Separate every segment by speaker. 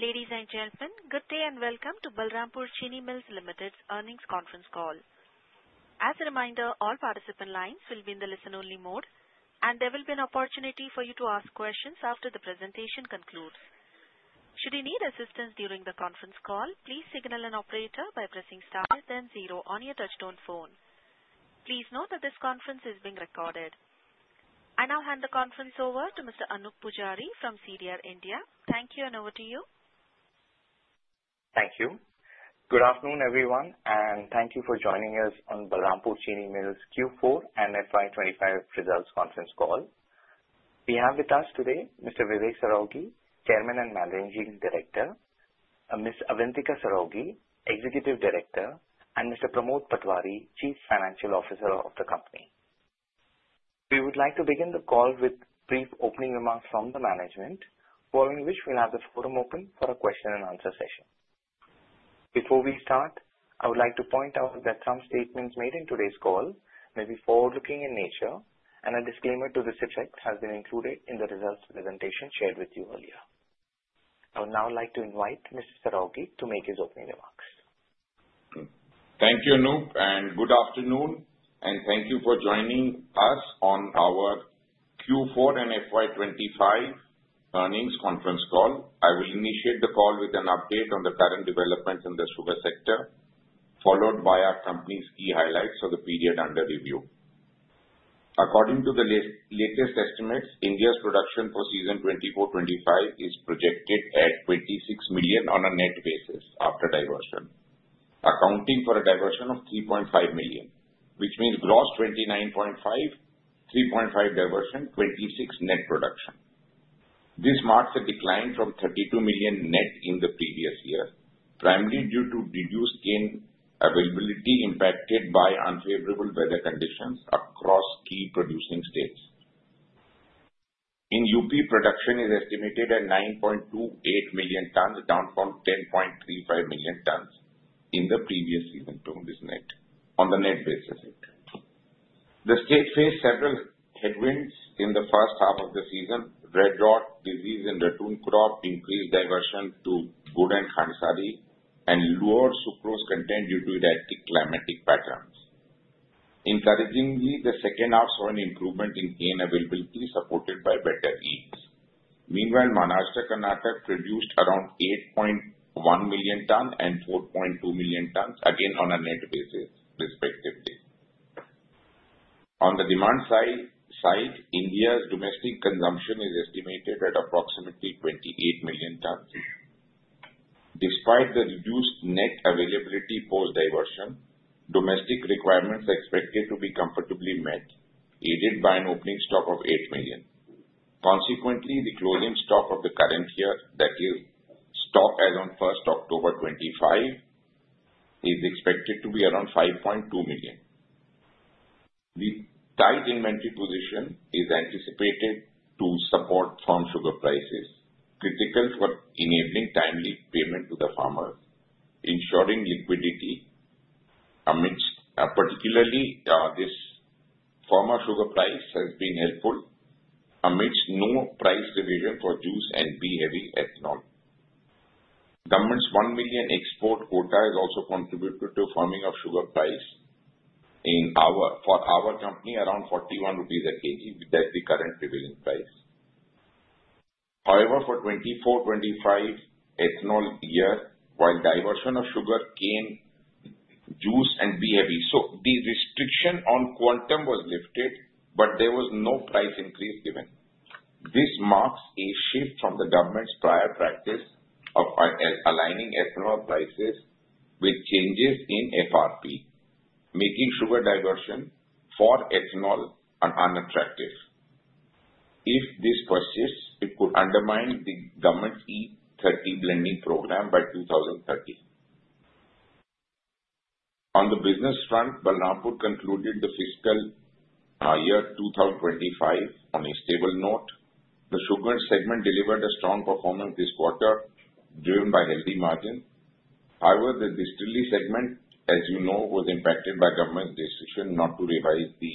Speaker 1: Ladies and gentlemen, good day and welcome to Balrampur Chini Mills Limited's earnings conference call. As a reminder, all participant lines will be in the listen-only mode, and there will be an opportunity for you to ask questions after the presentation concludes. Should you need assistance during the conference call, please signal an operator by pressing star then zero on your touchtone phone. Please note that this conference is being recorded. I now hand the conference over to Mr. Anoop Poojari from CDR India. Thank you, and over to you.
Speaker 2: Thank you. Good afternoon, everyone, and thank you for joining us on Balrampur Chini Mills Q4 and FY 2025 results conference call. We have with us today Mr. Vivek Saraogi, Chairman and Managing Director; Ms. Avantika Saraogi, Executive Director; and Mr. Pramod Patwari, Chief Financial Officer of the company. We would like to begin the call with brief opening remarks from the management, following which we'll have the forum open for a question-and-answer session. Before we start, I would like to point out that some statements made in today's call may be forward-looking in nature, and a disclaimer to this effect has been included in the results presentation shared with you earlier. I would now like to invite Mr. Saraogi to make his opening remarks.
Speaker 3: Thank you, Anoop, and good afternoon, and thank you for joining us on our Q4 and FY 2025 earnings conference call. I will initiate the call with an update on the current developments in the sugar sector, followed by our company's key highlights for the period under review. According to the latest estimates, India's production for season 2024-2025 is projected at 26 million on a net basis after diversion, accounting for a diversion of 3.5 million, which means gross 29.5, 3.5 diversion, 26 net production. This marks a decline from 32 million net in the previous year, primarily due to reduced cane availability impacted by unfavorable weather conditions across key producing states. In UP, production is estimated at 9.28 million tons, down from 10.35 million tons in the previous season on the net basis. The state faced several headwinds in the first half of the season: red rot disease in ratoon crop, increased diversion to gur and khandsari, and lower sucrose content due to the active climatic patterns. Encouragingly, the second half saw an improvement in cane availability supported by better yields. Meanwhile, Maharashtra, Karnataka produced around 8.1 million tons and 4.2 million tons, again on a net basis, respectively. On the demand side, India's domestic consumption is estimated at approximately 28 million tons. Despite the reduced net availability post-diversion, domestic requirements are expected to be comfortably met, aided by an opening stock of 8 million. Consequently, the closing stock of the current year, that is, stock as on 1st October 2025, is expected to be around 5.2 million. The tight inventory position is anticipated to support firm sugar prices, critical for enabling timely payment to the farmers, ensuring liquidity, particularly as this firmer sugar price has been helpful amidst new price revision for juice and B-heavy ethanol. Government's 1 million export quota has also contributed to the firming of sugar price for our company around 41 rupees a kg, that's the current prevailing price. However, for 2024-2025 ethanol year, while diversion of sugarcane, juice, and B-heavy, so the restriction on quantum was lifted, but there was no price increase given. This marks a shift from the government's prior practice of aligning ethanol prices with changes in FRP, making sugar diversion for ethanol unattractive. If this persists, it could undermine the government's E30 blending program by 2030. On the business front, Balrampur concluded the fiscal year 2025 on a stable note. The sugar segment delivered a strong performance this quarter, driven by healthy margins. However, the distillery segment, as you know, was impacted by government's decision not to revise the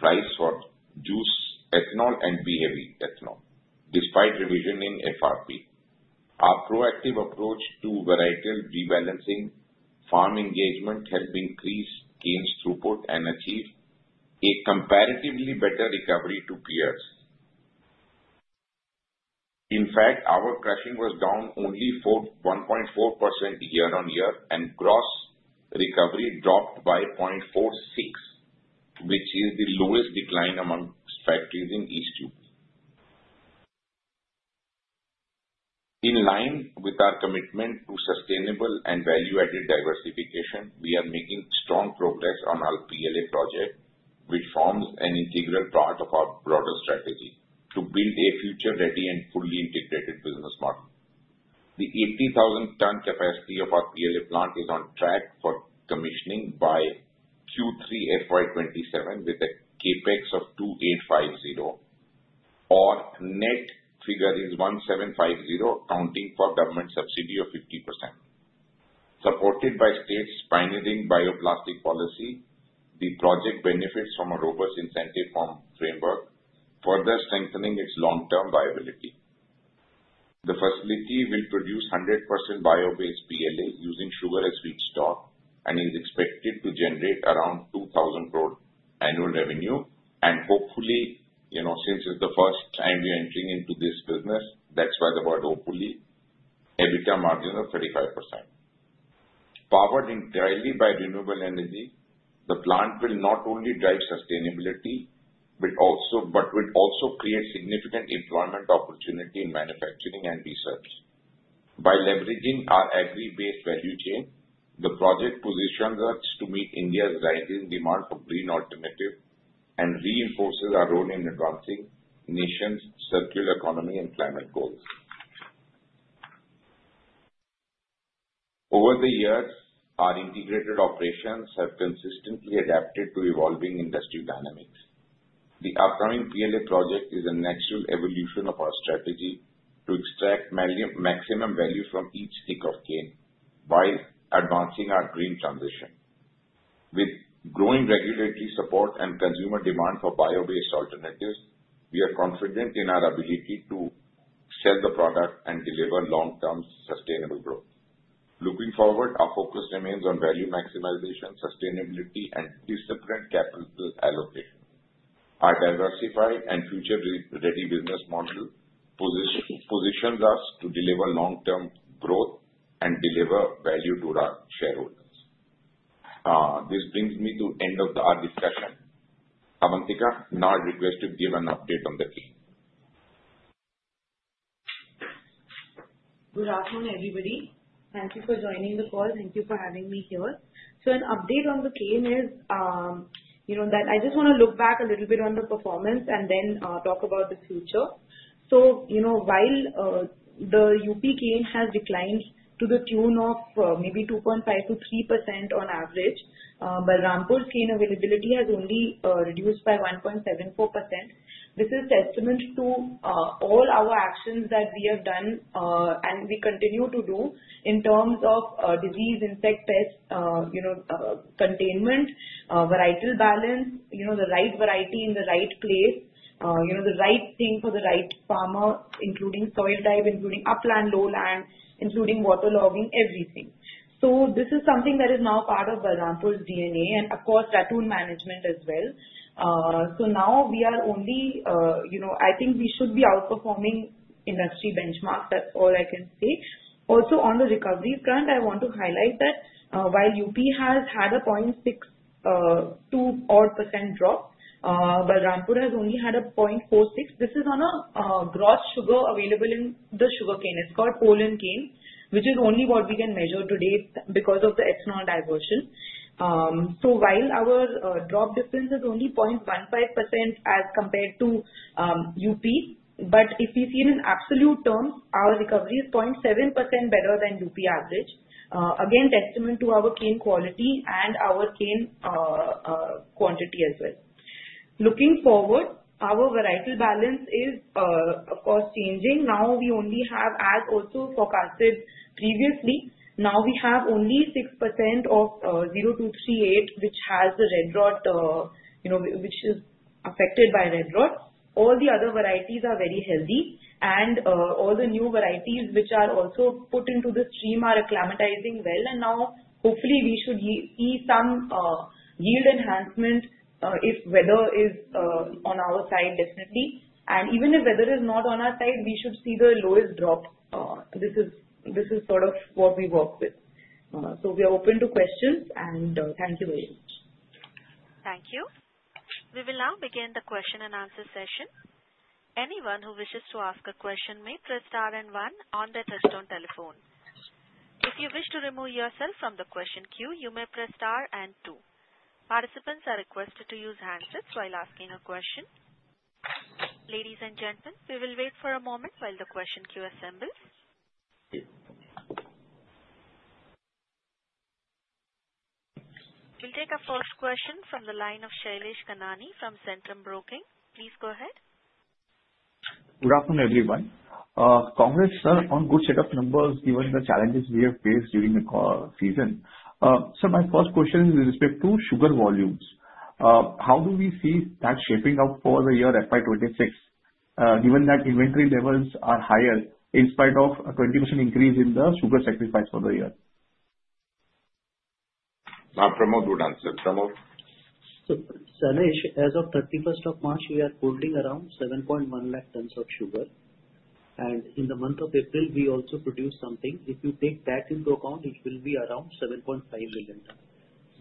Speaker 3: price for juice ethanol and B-heavy ethanol, despite revision in FRP. Our proactive approach to varietal rebalancing farm engagement helped increase cane throughput and achieve a comparatively better recovery to peers. In fact, our crushing was down only 1.4% year on year, and gross recovery dropped by 0.46%, which is the lowest decline amongst factories in East UP. In line with our commitment to sustainable and value-added diversification, we are making strong progress on our PLA project, which forms an integral part of our broader strategy to build a future-ready and fully integrated business model. The 80,000-ton capacity of our PLA plant is on track for commissioning by Q3 FY 2027 with a CapEx of 2,850 crore, or net figure is 1,750 crore, accounting for government subsidy of 50%. Supported by state's pioneering bioplastic policy, the project benefits from a robust incentive form framework, further strengthening its long-term viability. The facility will produce 100% bio-based PLA using sugar as feedstock and is expected to generate around 2,000 crore annual revenue, and hopefully, since it's the first time we are entering into this business, that's why the word hopefully, EBITDA margin of 35%. Powered entirely by renewable energy, the plant will not only drive sustainability but will also create significant employment opportunity in manufacturing and research. By leveraging our agri-based value chain, the project positions us to meet India's rising demand for green alternatives and reinforces our role in advancing nation's circular economy and climate goals. Over the years, our integrated operations have consistently adapted to evolving industry dynamics. The upcoming PLA project is a natural evolution of our strategy to extract maximum value from each stick of cane while advancing our green transition. With growing regulatory support and consumer demand for bio-based alternatives, we are confident in our ability to sell the product and deliver long-term sustainable growth. Looking forward, our focus remains on value maximization, sustainability, and disciplined capital allocation. Our diversified and future-ready business model positions us to deliver long-term growth and deliver value to our shareholders. This brings me to the end of our discussion. Avantika, now I'd request you to give an update on the team.
Speaker 4: Good afternoon, everybody. Thank you for joining the call. Thank you for having me here. An update on the chain is that I just want to look back a little bit on the performance and then talk about the future. While the UP gain has declined to the tune of maybe 2.5-3% on average, Balrampur's gain availability has only reduced by 1.74%. This is testament to all our actions that we have done and we continue to do in terms of disease, insect, pest containment, varietal balance, the right variety in the right place, the right thing for the right farmer, including soil type, including upland, lowland, including waterlogging, everything. This is something that is now part of Balrampur's DNA and, of course, ratoon management as well. Now we are only, I think we should be outperforming industry benchmarks. That's all I can say. Also, on the recovery front, I want to highlight that while UP has had a 0.62% drop, Balrampur has only had a 0.46%. This is on a gross sugar available in the sugarcane. It's called Poland cane, which is only what we can measure today because of the ethanol diversion. While our drop difference is only 0.15% as compared to UP, if you see it in absolute terms, our recovery is 0.7% better than the UP average. Again, testament to our cane quality and our cane quantity as well. Looking forward, our varietal balance is, of course, changing. Now we only have, as also forecasted previously, only 6% of 0238, which has the red rot, which is affected by red rot. All the other varieties are very healthy, and all the new varieties which are also put into the stream are acclimatizing well. Hopefully, we should see some yield enhancement if weather is on our side, definitely. Even if weather is not on our side, we should see the lowest drop. This is sort of what we work with. We are open to questions, and thank you very much.
Speaker 1: Thank you. We will now begin the question and answer session. Anyone who wishes to ask a question may press star and one on the touchstone telephone. If you wish to remove yourself from the question queue, you may press star and two. Participants are requested to use handsets while asking a question. Ladies and gentlemen, we will wait for a moment while the question queue assembles. We'll take our first question from the line of Shailesh Kanani from Centrum Broking. Please go ahead.
Speaker 5: Good afternoon, everyone. Congrats, sir, on good setup numbers given the challenges we have faced during the season. Sir, my first question is with respect to sugar volumes. How do we see that shaping up for the year FY 2026, given that inventory levels are higher in spite of a 20% increase in the sugar sacrifice for the year?
Speaker 3: Pramod would answer. Pramod.
Speaker 6: Shailesh, as of 31st of March, we are holding around 7.1 lakh tons of sugar. In the month of April, we also produced something. If you take that into account, it will be around 7.5 million tons.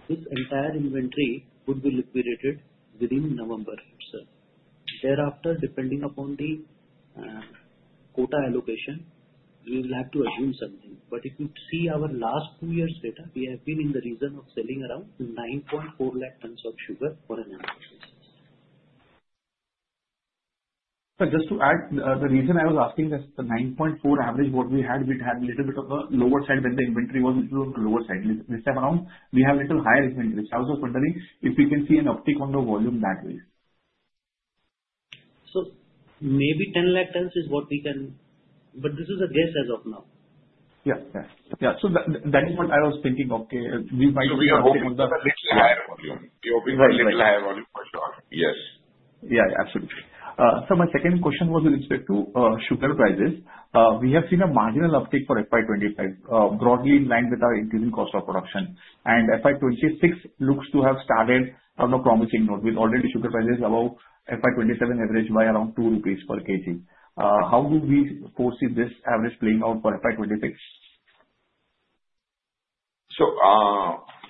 Speaker 6: This entire inventory would be liquidated within November itself. Thereafter, depending upon the quota allocation, we will have to assume something. If you see our last two years' data, we have been in the region of selling around 9.4 lahk tons of sugar annually.
Speaker 5: Sir, just to add, the reason I was asking is the 9.4 average, what we had, we had a little bit of a lower side when the inventory was a little on the lower side. This time around, we have a little higher inventory. I was just wondering if we can see an uptick on the volume that way.
Speaker 6: Maybe 10 lakh tons is what we can, but this is a guess as of now.
Speaker 5: Yeah, yeah. Yeah, so that is what I was thinking.
Speaker 3: Okay, we might be hoping for a little higher volume. You're hoping for a little higher volume for sure.
Speaker 5: Yes. Yeah, absolutely. Sir, my second question was with respect to sugar prices. We have seen a marginal uptick for FY 2025, broadly in line with our increasing cost of production. And FY 2026 looks to have started on a promising note with already sugar prices above FY 2027 average by around 2 rupees per kg. How do we foresee this average playing out for FY 2026?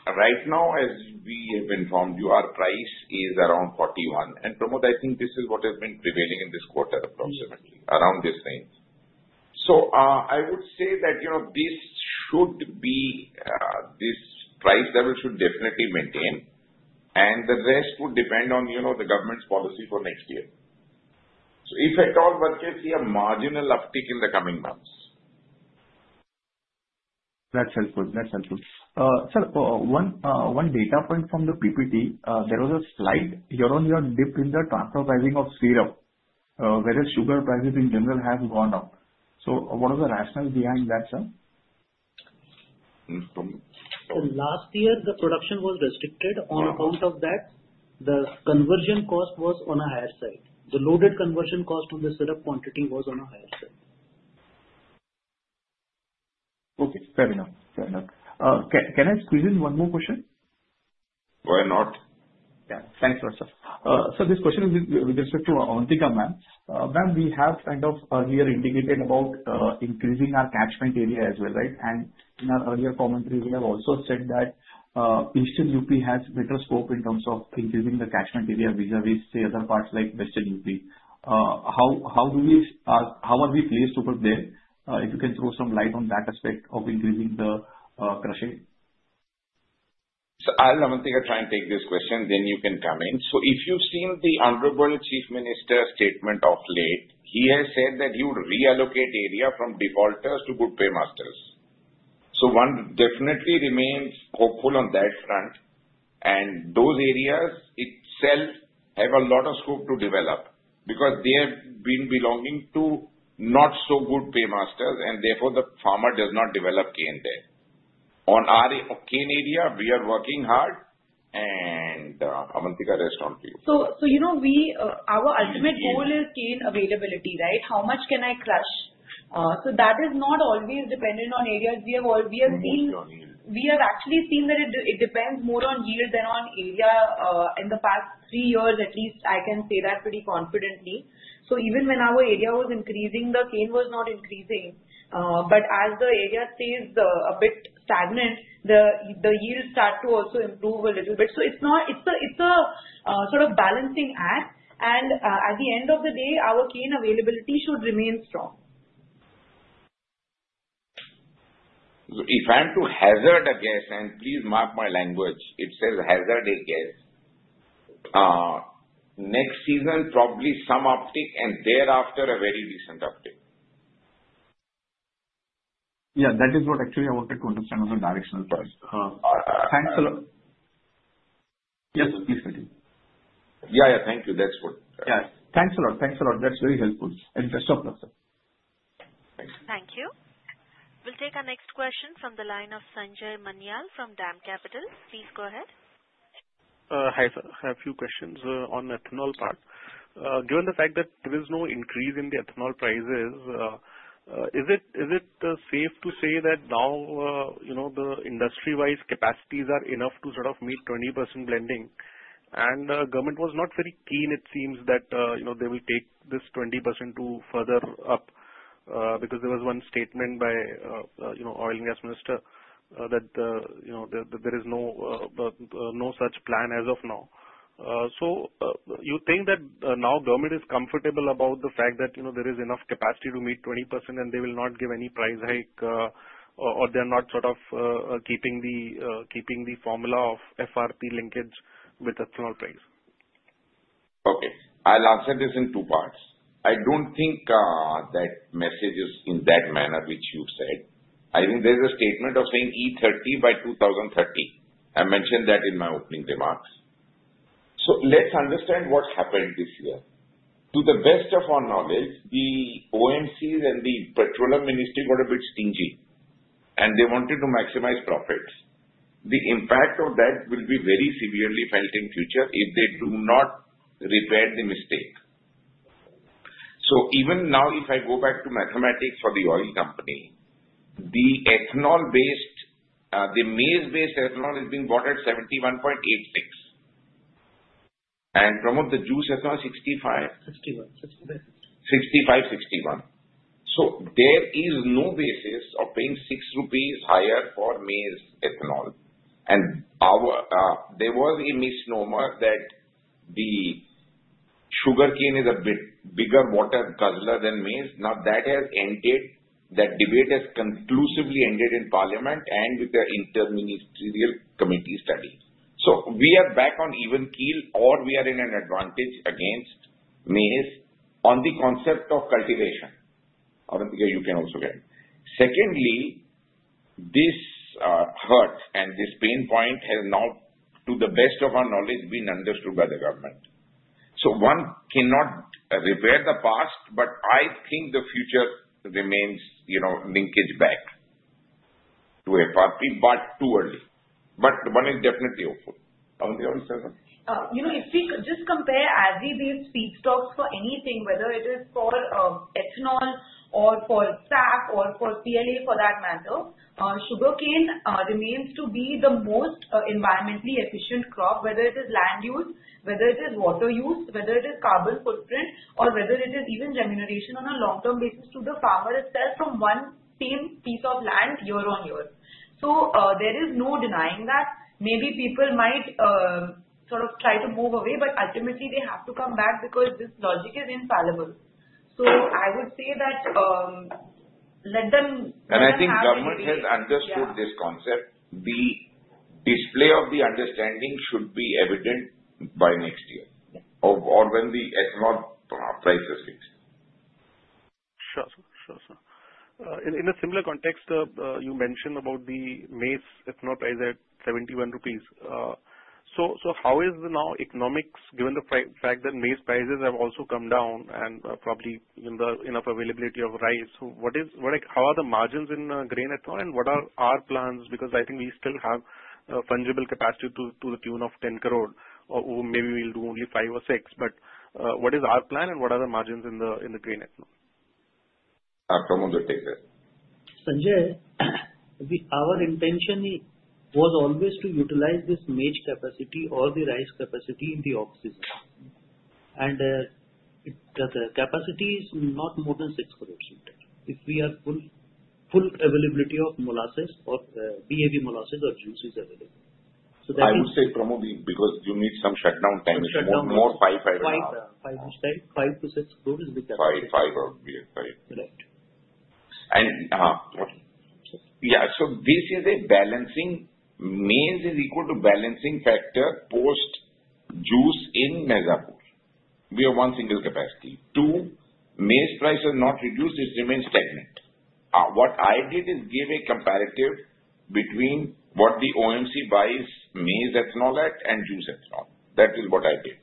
Speaker 3: Right now, as we have been informed, your price is around 41. Pramod, I think this is what has been prevailing in this quarter, approximately around this range. I would say that this price level should definitely maintain, and the rest would depend on the government's policy for next year. If at all, we'll see a marginal uptick in the coming months.
Speaker 5: That's helpful. That's helpful. Sir, one data point from the PPT, there was a slight here and there dip in the transfer pricing of syrup, whereas sugar prices in general have gone up. What are the rationales behind that, sir?
Speaker 6: Last year, the production was restricted. On account of that, the conversion cost was on a higher side. The loaded conversion cost on the syrup quantity was on a higher side.
Speaker 5: Okay. Fair enough. Fair enough. Can I squeeze in one more question?
Speaker 3: Why not?
Speaker 5: Yeah. Thanks a lot, sir. Sir, this question is with respect to Avantika ma'am. Ma'am, we have kind of earlier indicated about increasing our catchment area as well, right? And in our earlier commentary, we have also said that Eastern UP has better scope in terms of increasing the catchment area vis-à-vis other parts like Western UP. How are we placed over there? If you can throw some light on that aspect of increasing the crushing?
Speaker 3: I'll, Avantika, try and take this question, then you can come in. If you've seen the Honorable Chief Minister's statement of late, he has said that he would reallocate area from defaulters to good paymasters. One definitely remains hopeful on that front. Those areas itself have a lot of scope to develop because they have been belonging to not-so-good paymasters, and therefore the farmer does not develop cane there. On our cane area, we are working hard, and Avantika, rest on you.
Speaker 4: Our ultimate goal is cane availability, right? How much can I crush? That is not always dependent on areas. We have actually seen that it depends more on yield than on area in the past three years, at least I can say that pretty confidently. Even when our area was increasing, the cane was not increasing. As the area stays a bit stagnant, the yields start to also improve a little bit. It is a sort of balancing act. At the end of the day, our cane availability should remain strong.
Speaker 3: If I'm to hazard a guess, and please mark my language, it says hazard a guess, next season probably some uptick, and thereafter a very decent uptick.
Speaker 5: Yeah, that is what actually I wanted to understand on the directional side. Thanks a lot. Yes, sir, please continue.
Speaker 3: Yeah, yeah. Thank you. That's what.
Speaker 5: Yeah, thanks a lot. Thanks a lot. That's very helpful. And best of luck, sir.
Speaker 3: Thank you.
Speaker 1: Thank you. We'll take our next question from the line of Sanjay Manyal from Dam Capital. Please go ahead.
Speaker 7: Hi, sir. I have a few questions on ethanol part. Given the fact that there is no increase in the ethanol prices, is it safe to say that now the industry-wise capacities are enough to sort of meet 20% blending? The government was not very keen, it seems, that they will take this 20% to further up because there was one statement by the oil and gas minister that there is no such plan as of now. Do you think that now government is comfortable about the fact that there is enough capacity to meet 20%, and they will not give any price hike, or they're not sort of keeping the formula of FRP linkage with ethanol price?
Speaker 3: Okay. I'll answer this in two parts. I don't think that message is in that manner which you've said. I think there's a statement of saying E30 by 2030. I mentioned that in my opening remarks. Let's understand what happened this year. To the best of our knowledge, the OMCs and the Petroleum Ministry got a bit stingy, and they wanted to maximize profits. The impact of that will be very severely felt in the future if they do not repair the mistake. Even now, if I go back to mathematics for the oil company, the ethanol-based, the maize-based ethanol is being bought at 71.86. And Pramod, the juice ethanol, 65.
Speaker 6: 61. 65.
Speaker 3: 65. 61. There is no basis of paying 6 rupees higher for maize ethanol. There was a misnomer that sugarcane is a bigger water guzzler than maize. Now that has ended. That debate has conclusively ended in Parliament and with the Interministerial Committee study. We are back on even keel, or we are in an advantage against maize on the concept of cultivation. Avantika, you can also get it. Secondly, this hurt and this pain point has now, to the best of our knowledge, been understood by the government. One cannot repair the past, but I think the future remains linkage back to FRP, but too early. One is definitely hopeful. Avantika, will you say something?
Speaker 4: If we just compare agri-based feed stocks for anything, whether it is for ethanol or for SAF or for PLA, for that matter, sugar cane remains to be the most environmentally efficient crop, whether it is land use, whether it is water use, whether it is carbon footprint, or whether it is even remuneration on a long-term basis to the farmer itself from one same piece of land year on year. There is no denying that. Maybe people might sort of try to move away, but ultimately, they have to come back because this logic is infallible. I would say that let them.
Speaker 3: I think government has understood this concept. The display of the understanding should be evident by next year or when the ethanol price is fixed.
Speaker 5: Sure. Sure. In a similar context, you mentioned about the maize ethanol price at 71 rupees. How is the now economics, given the fact that maize prices have also come down and probably enough availability of rice? How are the margins in grain ethanol, and what are our plans? I think we still have fungible capacity to the tune of 1 billion, or maybe we will do only 500 million or 600 million. What is our plan, and what are the margins in the grain ethanol?
Speaker 3: Pramod will take it.
Speaker 6: Sanjay, our intention was always to utilize this maize capacity or the rice capacity in the off-season. The capacity is not more than 600 million if we have full availability of molasses or B-heavy molasses or juices available. That is.
Speaker 3: I would say, Pramod, because you need some shutdown time, it's more 5, 5.
Speaker 6: 50 million-INR 60 million is the cap.
Speaker 3: 5, 5.
Speaker 6: Correct.
Speaker 3: Yeah, this is a balancing. Maize is equal to balancing factor post juice in Maizapur. We have one single capacity. Two, maize price has not reduced. It remains stagnant. What I did is give a comparative between what the OMC buys maize ethanol at and juice ethanol. That is what I did.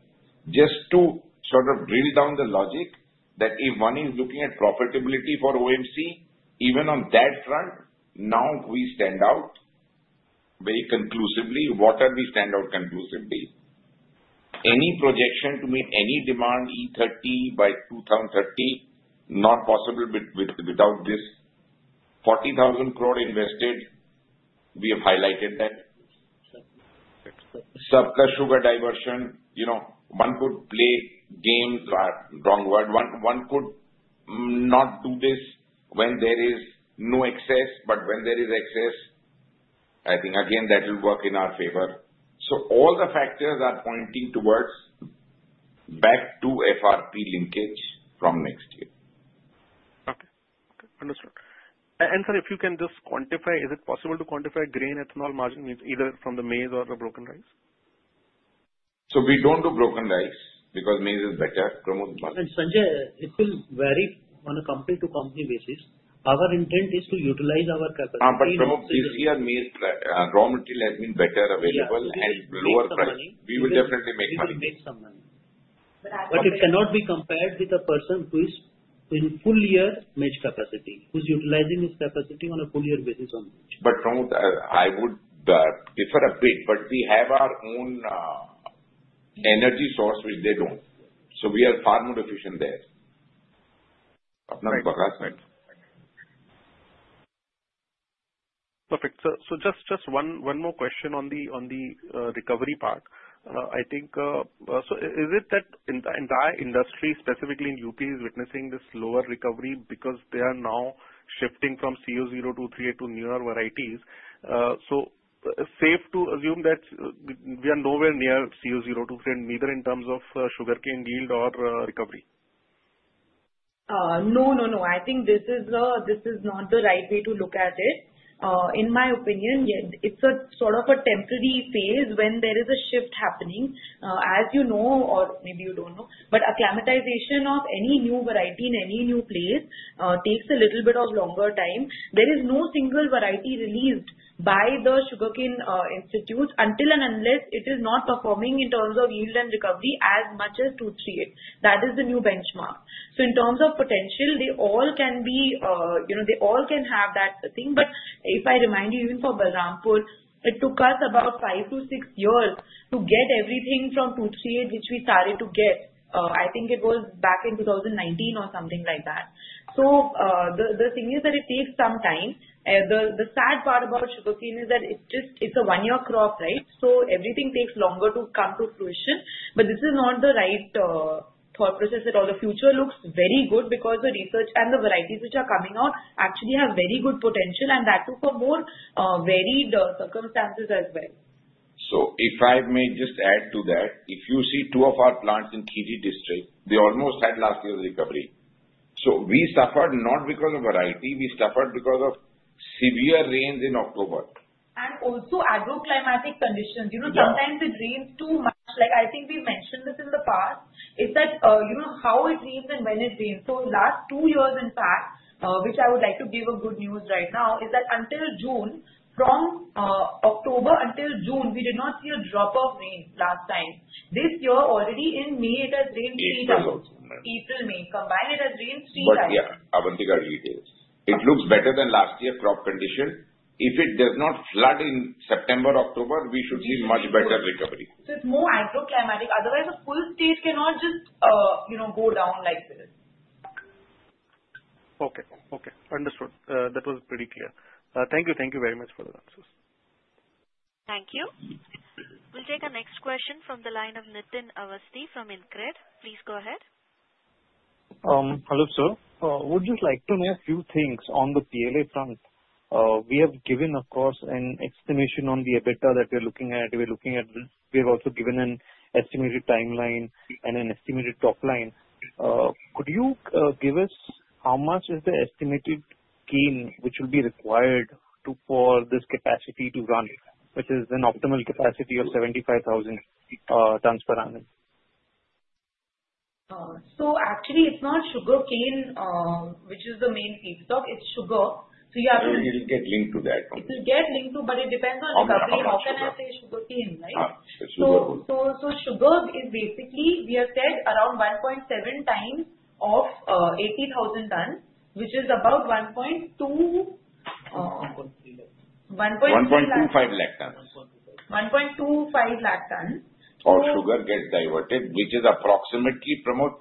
Speaker 3: Just to sort of drill down the logic that if one is looking at profitability for OMC, even on that front, now we stand out very conclusively. Why do we stand out conclusively? Any projection to meet any demand E30 by 2030? Not possible without this. 40,000 crore invested. We have highlighted that. Surplus sugar diversion. One could play games, wrong word. One could not do this when there is no excess, but when there is excess, I think, again, that will work in our favor. All the factors are pointing towards back to FRP linkage from next year.
Speaker 7: Okay. Okay. Understood. Sir, if you can just quantify, is it possible to quantify grain ethanol margin either from the maize or the broken rice?
Speaker 3: We don't do broken rice because maize is better. Pramod.
Speaker 6: Sanjay, it will vary on a company-to-company basis. Our intent is to utilize our capacity.
Speaker 3: Pramod, this year, maize raw material has been better available and lower price. We will definitely make money.
Speaker 6: We will make some money. It cannot be compared with a person who is in full year maize capacity, who's utilizing his capacity on a full year basis on maize.
Speaker 3: Pramod, I would differ a bit. But we have our own energy source, which they don't. So we are far more efficient there.
Speaker 7: Perfect. Just one more question on the recovery part. I think, is it that the entire industry, specifically in UP, is witnessing this lower recovery because they are now shifting from Co-023A to newer varieties? Is it safe to assume that we are nowhere near Co-023A, neither in terms of sugarcane yield or recovery?
Speaker 4: No, no, no. I think this is not the right way to look at it. In my opinion, it's sort of a temporary phase when there is a shift happening. As you know, or maybe you don't know, but acclimatization of any new variety in any new place takes a little bit of longer time. There is no single variety released by the sugarcane institutes until and unless it is not performing in terms of yield and recovery as much as 238. That is the new benchmark. In terms of potential, they all can be, they all can have that thing. If I remind you, even for Balrampur, it took us about five to six years to get everything from 238, which we started to get. I think it was back in 2019 or something like that. The thing is that it takes some time. The sad part about sugarcane is that it's a one-year crop, right? Everything takes longer to come to fruition. This is not the right thought process at all. The future looks very good because the research and the varieties which are coming out actually have very good potential, and that too for more varied circumstances as well.
Speaker 3: If I may just add to that, if you see two of our plants in Kiri District, they almost had last year's recovery. We suffered not because of variety. We suffered because of severe rains in October.
Speaker 4: Also, agro-climatic conditions. Sometimes it rains too much. I think we mentioned this in the past, is that how it rains and when it rains. Last two years, in fact, which I would like to give a good news right now, is that until June, from October until June, we did not see a drop of rain last time. This year, already in May, it has rained three times. April, May. Combined, it has rained three times.
Speaker 3: Yeah, Avantika, agree to it. It looks better than last year's crop condition. If it does not flood in September, October, we should see much better recovery.
Speaker 4: It's more agro-climatic. Otherwise, a full stage cannot just go down like this.
Speaker 5: Okay. Okay. Understood. That was pretty clear. Thank you. Thank you very much for the answers.
Speaker 1: Thank you. We'll take our next question from the line of Nitin Awasthi from InCred. Please go ahead.
Speaker 8: Hello, sir. We'd just like to know a few things on the PLA front. We have given, of course, an estimation on the EBITDA that we're looking at. We have also given an estimated timeline and an estimated top line. Could you give us how much is the estimated cane which will be required for this capacity to run it, which is an optimal capacity of 75,000 tons per annum?
Speaker 4: Actually, it's not sugarcane, which is the main feedstock. It's sugar. You have to.
Speaker 3: It will get linked to that.
Speaker 4: It will get linked to, but it depends on recovery. How can I say sugarcane, right?
Speaker 3: Sugar will.
Speaker 4: Sugar is basically, we have said around 1.7 times of 80,000 tons, which is about 1.2.
Speaker 3: 1.25 lakh tons.
Speaker 4: 1.25 lakh tons.
Speaker 3: Or sugar gets diverted, which is approximately, Pramod,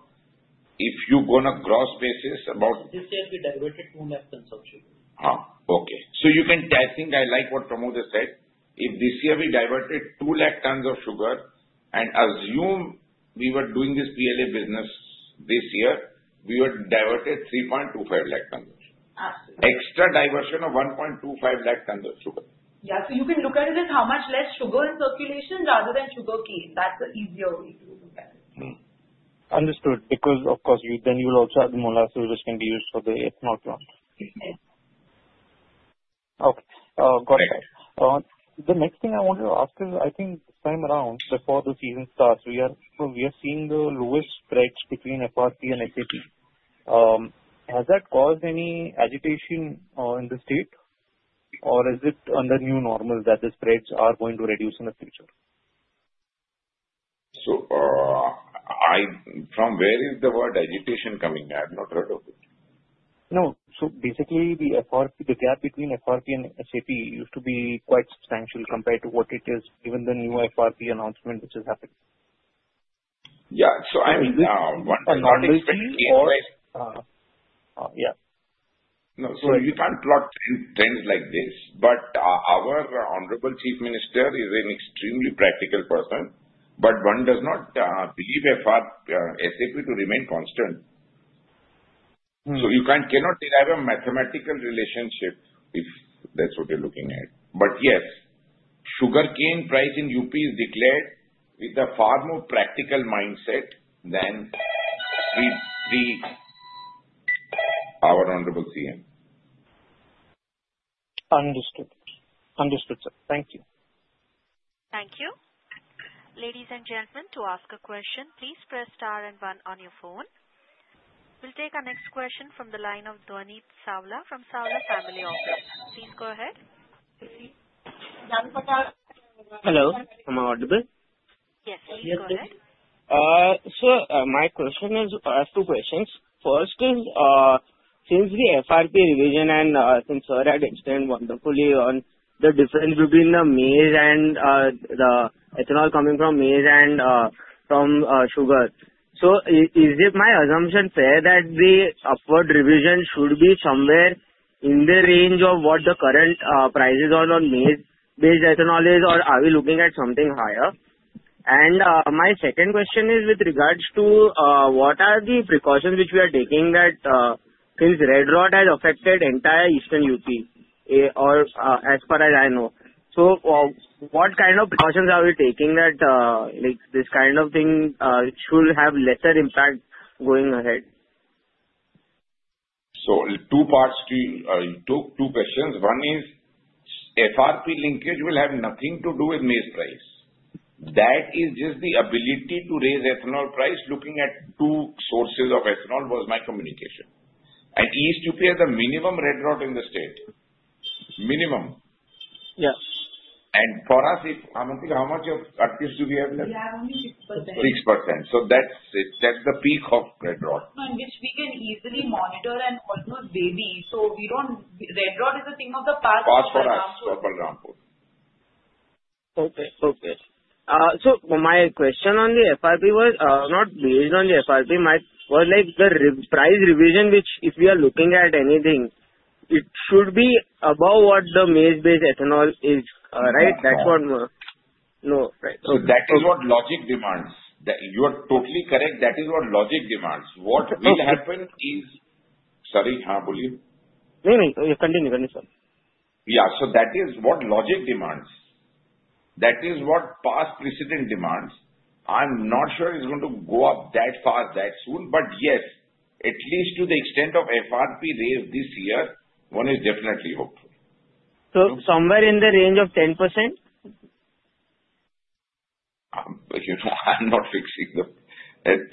Speaker 3: if you go on a gross basis, about.
Speaker 6: This year we diverted 200,000 tons of sugar.
Speaker 3: Okay. You can, I think, I like what Pramod has said. If this year we diverted 200,000 tons of sugar and assume we were doing this PLA business this year, we would divert 325,000 tons of sugar. Extra diversion of 125,000 tons of sugar.
Speaker 4: Yeah. You can look at it as how much less sugar in circulation rather than sugarcane. That's the easier way to look at it.
Speaker 8: Understood. Because, of course, then you'll also have the molasses, which can be used for the ethanol plant. Okay. Got it. The next thing I wanted to ask is, I think this time around, before the season starts, we are seeing the lowest spreads between FRP and SAP. Has that caused any agitation in the state, or is it under new normal that the spreads are going to reduce in the future?
Speaker 3: From where is the word agitation coming? I have not heard of it.
Speaker 8: No. So basically, the gap between FRP and SAP used to be quite substantial compared to what it is given the new FRP announcement which has happened.
Speaker 3: Yeah. So I mean, one does not expect cane price.
Speaker 8: Yeah.
Speaker 3: No. So you can't plot trends like this. Our Honorable Chief Minister is an extremely practical person, but one does not believe FRP SAP to remain constant. You cannot derive a mathematical relationship if that's what you're looking at. Yes, sugar cane price in UP is declared with a far more practical mindset than our Honorable CM.
Speaker 8: Understood. Understood, sir. Thank you.
Speaker 1: Thank you. Ladies and gentlemen, to ask a question, please press star and one on your phone. We'll take our next question from the line of Dhvaneet Savla from Savla Family Office. Please go ahead.
Speaker 9: Hello. Am I audible?
Speaker 1: Yes. You go ahead.
Speaker 9: I have two questions. First is, since the FRP revision and since Sir had explained wonderfully on the difference between the maize and the ethanol coming from maize and from sugar, is it my assumption fair that the upward revision should be somewhere in the range of what the current prices are on maize-based ethanol, or are we looking at something higher? My second question is with regards to what are the precautions which we are taking, since red rot has affected entire eastern UP, as far as I know. What kind of precautions are we taking that this kind of thing should have lesser impact going ahead?
Speaker 3: Two parts to two questions. One is FRP linkage will have nothing to do with maize price. That is just the ability to raise ethanol price looking at two sources of ethanol was my communication. East UP has the minimum red rot in the state. Minimum.
Speaker 9: Yes.
Speaker 3: For us, I think how much of at least do we have left?
Speaker 4: We have only 6%.
Speaker 3: 6%. That's it. That's the peak of red rot.
Speaker 4: Which we can easily monitor and almost baby. So red rot is a thing of the past.
Speaker 3: Past for us. Balrampur Chini.
Speaker 9: Okay. Okay. So my question on the FRP was not based on the FRP. My was like the price revision, which if we are looking at anything, it should be above what the maize-based ethanol is, right? That's what no.
Speaker 3: That is what logic demands. You are totally correct. That is what logic demands. What will happen is, sorry. Huh? [Bully?]
Speaker 9: No, no. Continue. Continue. Sorry.
Speaker 3: Yeah. So that is what logic demands. That is what past precedent demands. I'm not sure it's going to go up that fast, that soon. Yes, at least to the extent of FRP raise this year, one is definitely hopeful.
Speaker 9: Somewhere in the range of 10%?
Speaker 3: I'm not fixing the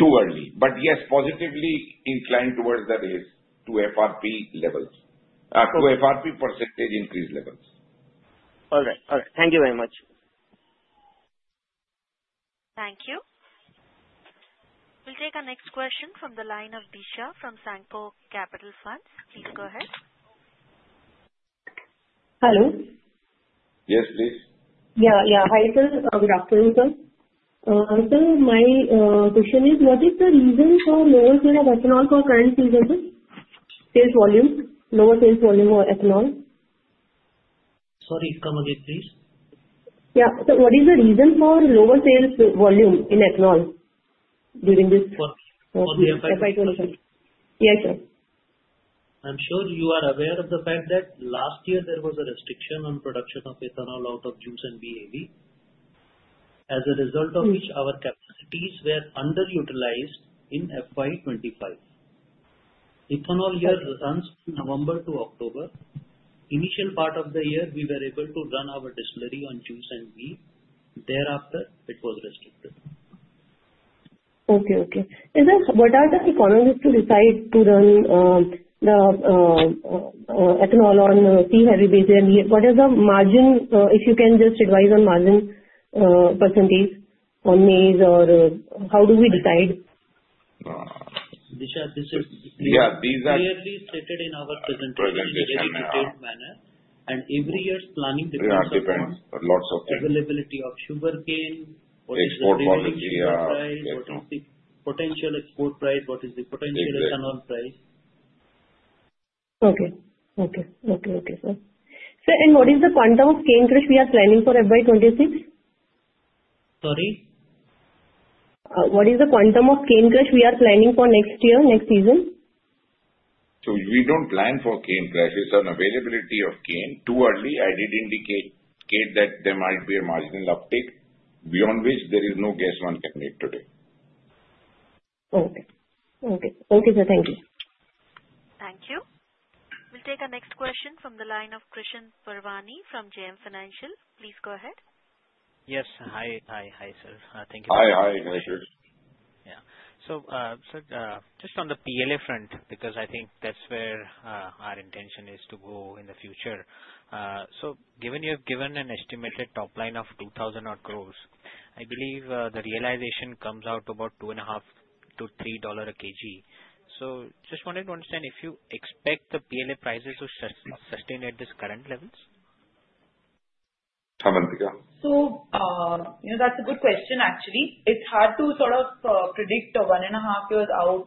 Speaker 3: too early. Yes, positively inclined towards the raise to FRP levels. To FRP % increase levels.
Speaker 9: All right. All right. Thank you very much.
Speaker 1: Thank you. We'll take our next question from the line of Disha from Sanco Capital Funds. Please go ahead.
Speaker 10: Hello.
Speaker 3: Yes, please.
Speaker 10: Yeah. Yeah. Hi, sir. Good afternoon, sir. My question is, what is the reason for lower sale of ethanol for current season? Sales volume, lower sales volume of ethanol.
Speaker 6: Sorry. Come again, please.
Speaker 10: Yeah. What is the reason for lower sales volume in ethanol
Speaker 6: during this FY 2023?
Speaker 10: Yes, sir.
Speaker 6: I'm sure you are aware of the fact that last year there was a restriction on production of ethanol out of juice and B-heavy, as a result of which our capacities were underutilized in FY 2025. Ethanol year runs from November to October. Initial part of the year, we were able to run our distillery on juice and B-heavy. Thereafter, it was restricted.
Speaker 10: Okay. Okay. What are the economics to decide to run the ethanol on C-heavy basis? What is the margin? If you can just advise on margin percentage on maize or how do we decide?
Speaker 6: Disha, this is clearly stated in our presentation.
Speaker 3: Presentation.
Speaker 6: In a detailed manner. Every year's planning depends on.
Speaker 3: Yeah. Depends. Lots of things.
Speaker 6: Availability of sugarcane, what is the export volume?
Speaker 3: Export volume. Yeah.
Speaker 6: What is the potential export price? What is the potential ethanol price?
Speaker 10: Okay. Okay, sir. Sir, and what is the quantum of cane crush we are planning for FY 2026?
Speaker 6: Sorry?
Speaker 10: What is the quantum of cane crush we are planning for next year, next season?
Speaker 3: We don't plan for cane crush. It's an availability of cane too early. I did indicate that there might be a marginal uptake beyond which there is no guess one can make today.
Speaker 10: Okay. Okay. Thank you.
Speaker 1: Thank you. We'll take our next question from the line of Krishan Parwani from JM Financial. Please go ahead.
Speaker 11: Yes. Hi. Hi, sir. Thank you.
Speaker 3: Hi. Hi, sir.
Speaker 11: Yeah. Sir, just on the PLA front, because I think that's where our intention is to go in the future. Given you have given an estimated top line of 2,000 crore, I believe the realization comes out to about $2.5-$3 a kg. Just wanted to understand if you expect the PLA prices to sustain at these current levels?
Speaker 3: Avantika?
Speaker 4: That's a good question, actually. It's hard to sort of predict one and a half years out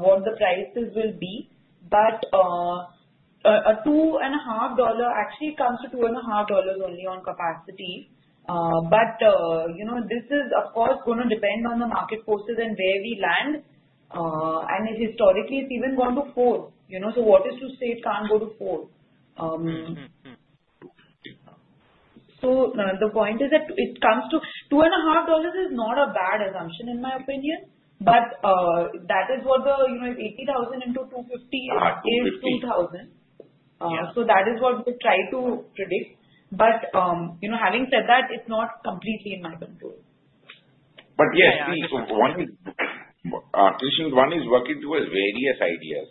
Speaker 4: what the prices will be. A $2.5 actually comes to $2.5 only on capacity. This is, of course, going to depend on the market forces and where we land. Historically, it's even gone to $4. What is to say it can't go to $4? The point is that it comes to $2.5 is not a bad assumption, in my opinion. That is what the if 80,000 into 250 is 2,000. That is what we try to predict. Having said that, it's not completely in my control.
Speaker 3: Yes, Krishan, one is working towards various ideas.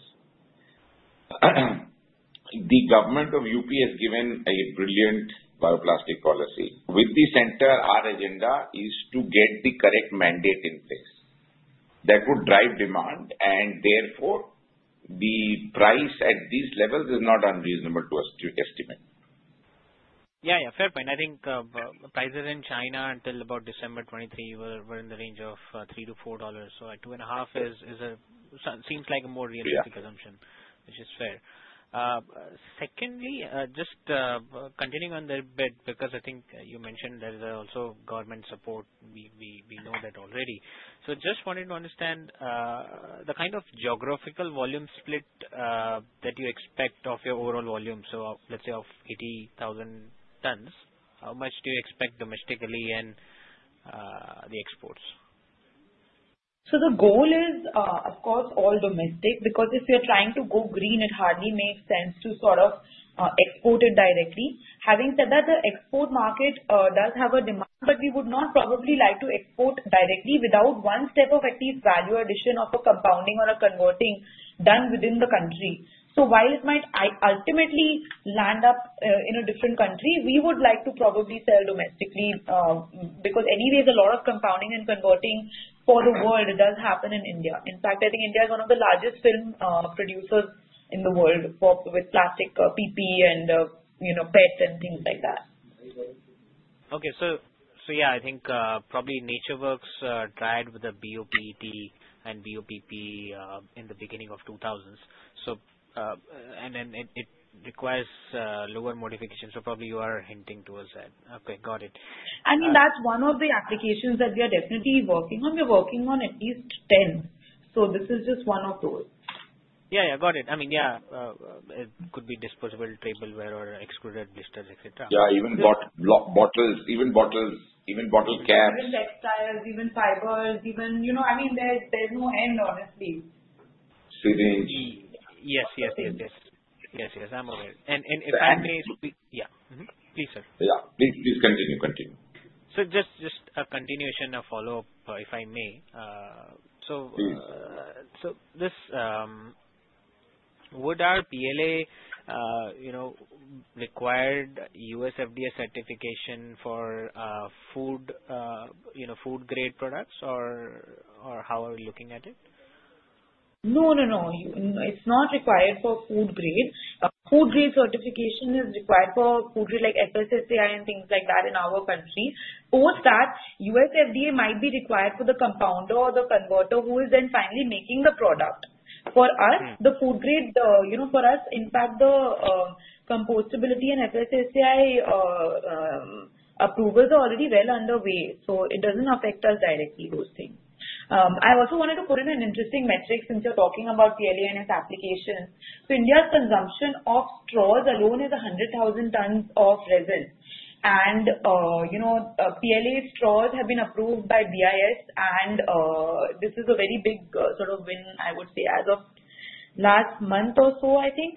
Speaker 3: The government of UP has given a brilliant bioplastic policy. With the center, our agenda is to get the correct mandate in place that would drive demand. Therefore, the price at these levels is not unreasonable to estimate.
Speaker 11: Yeah. Yeah. Fair point. I think prices in China until about December 2023 were in the range of $3-$4. So $2.5 seems like a more realistic assumption, which is fair. Secondly, just continuing on that bit, because I think you mentioned there is also government support. We know that already. Just wanted to understand the kind of geographical volume split that you expect of your overall volume. Let's say of 80,000 tons, how much do you expect domestically and the exports?
Speaker 4: The goal is, of course, all domestic. Because if we are trying to go green, it hardly makes sense to sort of export it directly. Having said that, the export market does have a demand, but we would not probably like to export directly without one step of at least value addition of a compounding or a converting done within the country. While it might ultimately land up in a different country, we would like to probably sell domestically. Because anyways, a lot of compounding and converting for the world does happen in India. In fact, I think India is one of the largest film producers in the world with plastic PP and PET and things like that.
Speaker 11: Okay. So yeah, I think probably NatureWorks tried with the BOPT and BOPP in the beginning of 2000s. And then it requires lower modification. So probably you are hinting towards that. Okay. Got it.
Speaker 4: I mean, that's one of the applications that we are definitely working on. We're working on at least 10. This is just one of those.
Speaker 11: Yeah. Yeah. Got it. I mean, yeah, it could be disposable, trailblazer, or excluded blisters, etc.
Speaker 3: Yeah. Even bottles. Even bottles. Even bottle caps.
Speaker 4: Even textiles. Even fibers. I mean, there's no end, honestly.
Speaker 3: Syringe.
Speaker 11: Yes. I'm aware. If I may.
Speaker 3: So.
Speaker 11: Yeah. Please, sir.
Speaker 3: Yeah, please continue. Continue.
Speaker 11: Just a continuation of follow-up, if I may. Would our PLA require US FDA certification for food-grade products, or how are we looking at it?
Speaker 4: No. No. No. It's not required for food grade. Food-grade certification is required for food grade like FSSAI and things like that in our country. Post that, U.S. FDA might be required for the compounder or the converter who is then finally making the product. For us, the food grade, for us, in fact, the compostability and FSSAI approvals are already well underway. It doesn't affect us directly, those things. I also wanted to put in an interesting metric since you're talking about PLA and its application. India's consumption of straws alone is 100,000 tons of resin. PLA straws have been approved by BIS. This is a very big sort of win, I would say, as of last month or so, I think.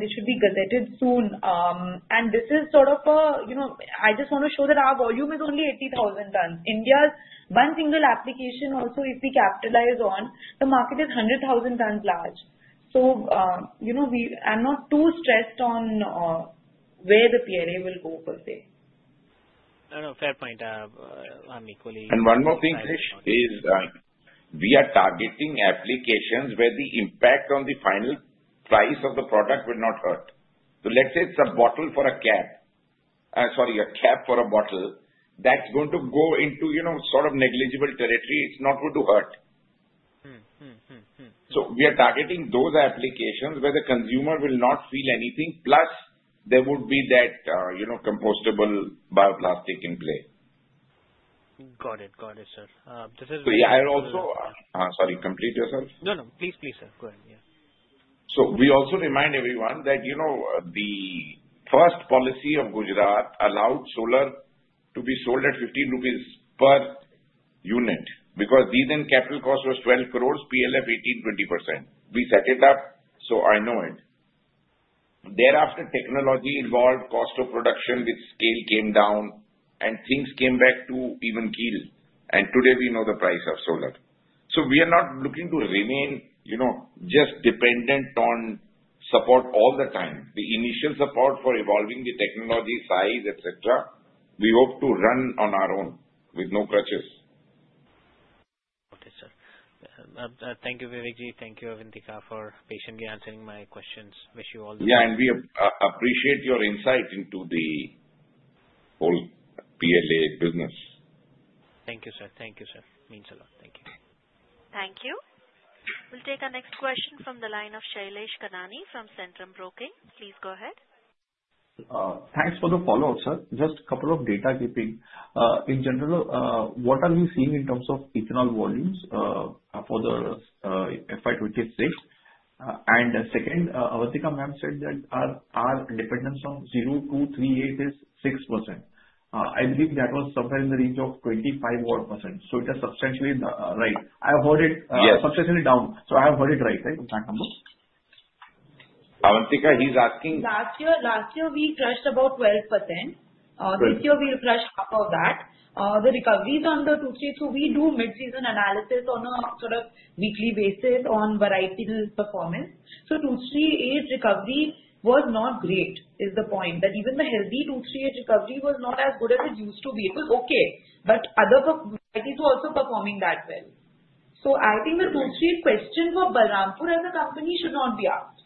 Speaker 4: This should be gazetted soon. I just want to show that our volume is only 80,000 tons. India's one single application also, if we capitalize on, the market is 100,000 tons large. We are not too stressed on where the PLA will go, per se.
Speaker 11: No. No. Fair point. I'm equally.
Speaker 3: One more thing, Krish, is we are targeting applications where the impact on the final price of the product will not hurt. Let's say it's a bottle for a cap. Sorry, a cap for a bottle. That's going to go into sort of negligible territory. It's not going to hurt. We are targeting those applications where the consumer will not feel anything. Plus, there would be that compostable bioplastic in play.
Speaker 11: Got it. Got it, sir. This is.
Speaker 3: Yeah, I also.
Speaker 11: Go ahead.
Speaker 3: Sorry. Complete yourself.
Speaker 11: No. No. Please, please, sir. Go ahead. Yeah.
Speaker 3: We also remind everyone that the first policy of Gujarat allowed solar to be sold at 15 rupees per unit. Because then capital cost was Rs. 12 crore, PLF 18-20%. We set it up so I know it. Thereafter, technology evolved, cost of production with scale came down, and things came back to even keel. Today, we know the price of solar. We are not looking to remain just dependent on support all the time. The initial support for evolving the technology, size, etc., we hope to run on our own with no crutches.
Speaker 11: Okay, sir. Thank you, Vivekji. Thank you, Avantika, for patiently answering my questions. Wish you all the best.
Speaker 3: Yeah. We appreciate your insight into the whole PLA business.
Speaker 11: Thank you, sir. Means a lot. Thank you.
Speaker 1: Thank you. We'll take our next question from the line of Shailesh Kanani from Centrum Broking. Please go ahead.
Speaker 5: Thanks for the follow-up, sir. Just a couple of data keeping. In general, what are we seeing in terms of ethanol volumes for the FY 2026? Second, Avantika ma'am said that our dependence on 0238 is 6%. I believe that was somewhere in the range of 25-odd percent. It has substantially, right. I have heard it is substantially down. I have heard it right, right, on that number?
Speaker 3: Avantika, he's asking.
Speaker 4: Last year, we crushed about 12%. This year, we'll crush half of that. The recoveries on the 232, we do mid-season analysis on a sort of weekly basis on varietal performance. So 238 recovery was not great is the point. That even the healthy 238 recovery was not as good as it used to be. It was okay. Other varieties were also performing that well. I think the 238 question for Balrampur as a company should not be asked.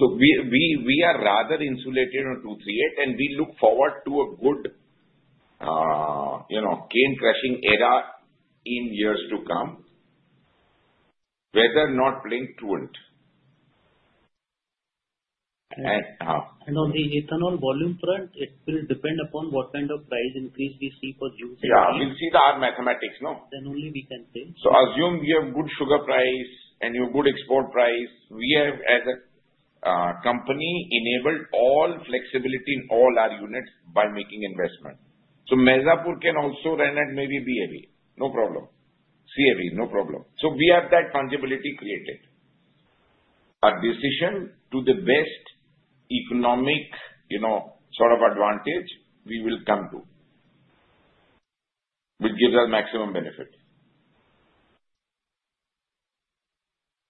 Speaker 3: We are rather insulated on 238, and we look forward to a good cane crushing era in years to come, whether or not playing truant.
Speaker 6: On the ethanol volume front, it will depend upon what kind of price increase we see for juice and B-heavy.
Speaker 3: Yeah. You'll see the hard mathematics, no?
Speaker 6: Only we can say.
Speaker 3: Assume we have good sugar price and your good export price. We have, as a company, enabled all flexibility in all our units by making investment. Maizapur can also run at maybe BAV. No problem. CAV. No problem. We have that fungibility created. A decision to the best economic sort of advantage we will come to, which gives us maximum benefit.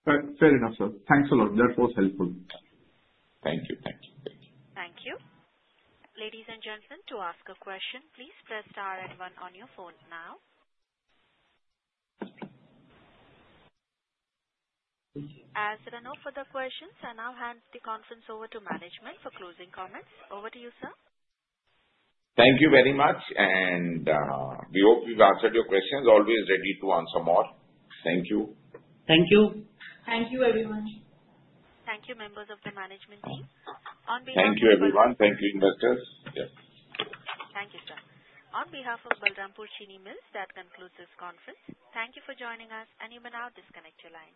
Speaker 5: Fair enough, sir. Thanks a lot. That was helpful.
Speaker 3: Thank you.
Speaker 1: Thank you. Ladies and gentlemen, to ask a question, please press star and one on your phone now. As there are no further questions, I now hand the conference over to management for closing comments. Over to you, sir.
Speaker 3: Thank you very much. We hope we've answered your questions. Always ready to answer more. Thank you.
Speaker 6: Thank you.
Speaker 4: Thank you, everyone.
Speaker 1: Thank you, members of the management team. On behalf of.
Speaker 3: Thank you, everyone. Thank you, investors. Yes.
Speaker 1: Thank you, sir. On behalf of Balrampur Chini Mills, that concludes this conference. Thank you for joining us. You may now disconnect your line.